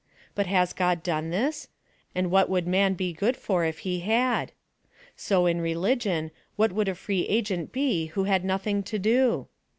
Bui has God done this? And what would man be goC'l for if he had ? So in religion, what would a free agent be who had nothing to do